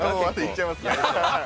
いっちゃいますね。